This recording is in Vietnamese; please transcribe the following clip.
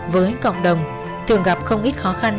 với cộng đồng thường gặp không ít khó khăn